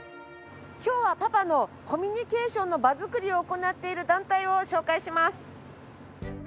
今日はパパのコミュニケーションの場作りを行っている団体を紹介します。